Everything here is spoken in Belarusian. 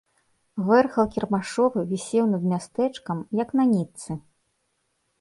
Вэрхал кірмашовы вісеў над мястэчкам, як на нітцы.